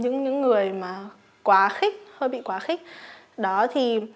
những người mà hơi bị quá khích